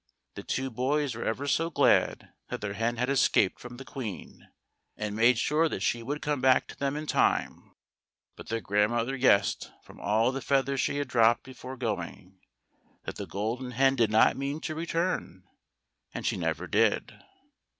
The two boys were ever so glad that their hen had escaped from the Queen, and made sure that she would come back to them in time ; but their grandmother guessed, from all the feathers she had dropped before going, that the Golden Hen did not mean to return ; and she never did.